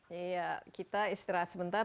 iya kita istirahat sebentar